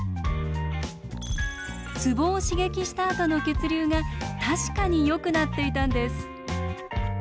ツボを刺激したあとの血流が確かによくなっていたんです。